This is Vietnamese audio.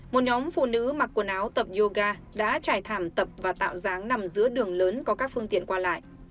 một nhóm phụ nữ mặc quần áo tập yoga đã trải thảm tập và tạo dáng nằm giữa đường lớn có các phương tiện qua lại